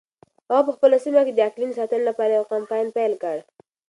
هغه په خپله سیمه کې د اقلیم د ساتنې لپاره یو کمپاین پیل کړ.